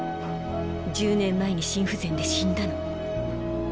１０年前に心不全で死んだの。